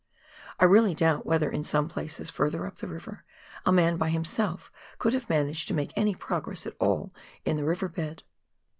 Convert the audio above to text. I really doubt whether in some places further up the river, a man by himself could have managed to make any progress at all in the river bed.